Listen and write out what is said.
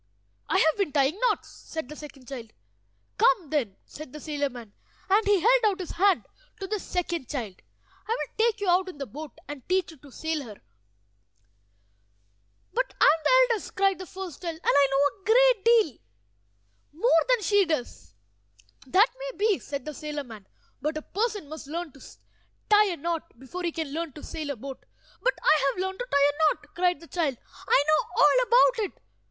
"I have been tying knots," said the second child. "Come, then," said the sailor man, and he held out his hand to the second child. "I will take you out in the boat, and teach you to sail her." "But I am the eldest," cried the first child, "and I know a great deal more than she does." "That may be," said the sailor man; "but a person must learn to tie a knot before he can learn to sail a boat." "But I have learned to tie a knot," cried the child. "I know all about it!"